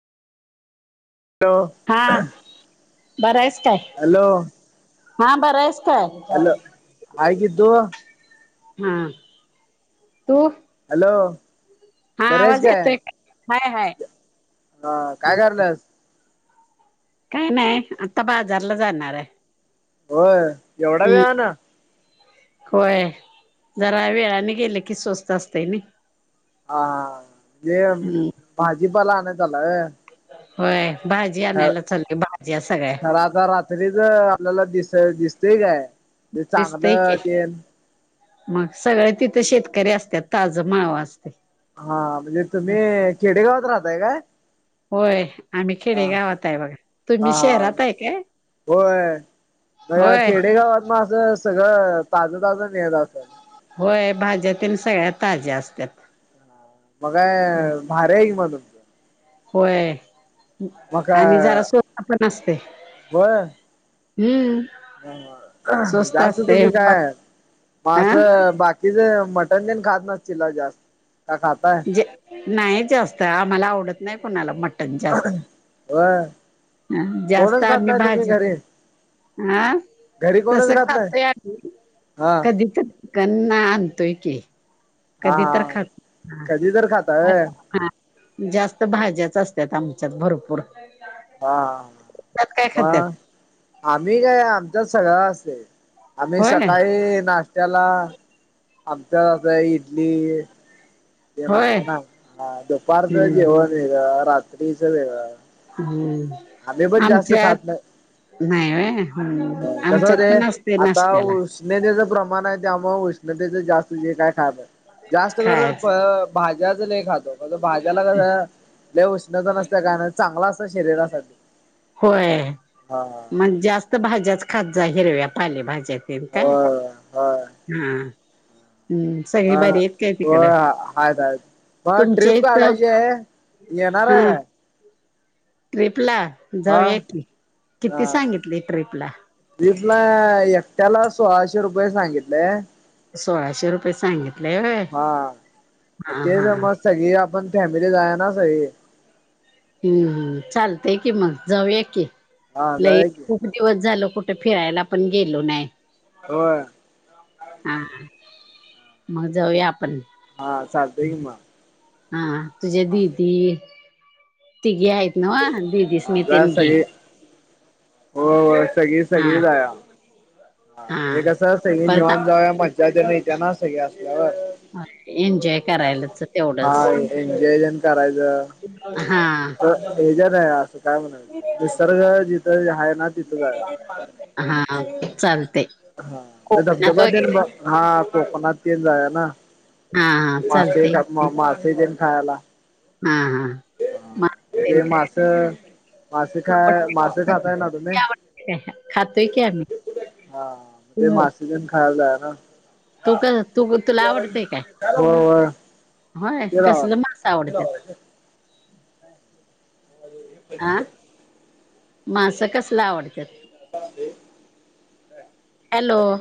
Hello हां बरायस काय? हॅलो हा बरायस काय? हॅलो हाय गिद्दू हा तू हॅलो हा बरी आहेस आवाज काय येतोय हाय हाय हा काय करल्यास काय नाय आता बाजारला जाणार हाय. होय एवढा वेळानं होय जरा वेळानी गेल की स्वस्त असतय नी. हा हे हम्म भाजीपाला आणायला चालाय होय. होय भाजी आणायला चालली भाज्या सगळ्या ता रात्रीच आपल्याला दिस दिसतय काय? ते दिसतंय चांगलं की, ते मग सगळे तिथं शेतकरी असत्यात ताज माव असतय. हा म्हणजे तुम्ही खेडेगावात राहताय काय? होय आम्ही खेडे हा गावात हाय बघा हा तुम्ही हा शहरात हाय काय? होय. ज होय खेडेगावातन असं सगळं ताजं ताजं येत असंल. होय भाज्या त्यानं सगळ्या ताज्या असत्यात. मग काय भारी हाय म तुमच होय मग आणि काय जरा सोप पण असतय. होय हा स्वस्त जास्त असते तुम्ही काय म हा असं बाकीच मटण बीन खात नसतील ना जास्त का खाताय. नाही जास्त आम्हाला आवडत नाय कुणाला मट व्हय ह जास्त कोणच खात आम्ही नाय तुम्ही भाजी घरी हा घरी तस कोणच खात नाही खातय आम्ही हा कधी कधी कना आनतोय की हा कधी तर हा खात हा कधी तर खाताय होय हा जास्त भाज्याच असत्यात आमच्यात भरपूर हा त्यात काय म खात्यात आम्ही काय आमच्यात सगळा मस्तय. आम्ही होय सकाळी नाश्त्याला आमच्या बे इडली ते होय नाता ना दुपारचं हम्म जेवण वेगळं रात वेगळा हम्म आमी पण जास्त आमच्यात खात नाही. नाही वय होय कसं आमच्यात होतंय पण असतय आता नाश्त्याला. उष्णतेचं प्रमाण आहे त्यामुळ उष्णतेच जास्त जे काय खाण जास्त करून खायच फळं. भाज्याच लय खातो मग भाज्याला कसं लय उष्णता नसत काय नाय चांगला असतं शरीरासाठी होय हा मग जास्त भाज्याच खात जा हिरव्या पाले भाज्यात तेंनं काय होय होय हा हम् सगळे मग बरी आहेत काय होय तिकडं. आहेत आहेत मग तुमच्या ट्रिप इथं काढायची आहे येणार हा आहे काय ट्रीप ला हा जाऊया की किती सांगितली ट्र्रीप ला ट्रीपला एकट्याला सोळाशे रुपये सांगितलेय सोळाशे रुपये सांगितलेय होय हा हा तेच हा. मग सगळी आपण फॅमिली जाय ना सगळी. हम् चालत की मग जाऊया की. हा जाऊया की. किती दिवस झालो कुठे फिरायला पण गेलो नाही. होय. हा मग जाऊया आपण. हा चालत कि मग. हा तुझ्या दिदी तिघी आहेत. नव्ह हा दिदीसनी जाऊया तेन घे सगळी हो हो सगळी हा सगळी जाऊया. हा म्हणजे कसं सगळी परत निवात जाऊया मंज्या पण सगळे असल्यावर. हा एन्जॉय करायलाच तेवढंच. एन्जॉयजण करायचं. हा हेच्यान असं काय म्हणायचं निसर्ग जिथं आहे ना. तिथं जाऊया. हा हा चालतेय. हा धबधबा हा कोकणात येन जाऊया ना. हा हा चालतेय. म मासे ते खायला. हा हा. हा मातेन ते काय मासे मासे खाय मासे खाताय ना तुम्ही आ हा खातोय की आम्ही. तिथेच खायला जायाला. तू का तुला आवडतेय काय. होय होय. होय ते राव कसलं मास आवडत. आ मासं कसलं आवडत्या. ते [inaudible] हॅलो.